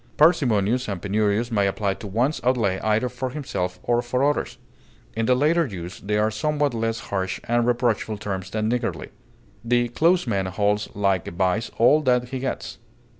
Parsimonious and penurious may apply to one's outlay either for himself or for others; in the latter use, they are somewhat less harsh and reproachful terms than niggardly. The close man holds like a vise all that he gets.